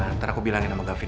ntar aku bilangin sama gavin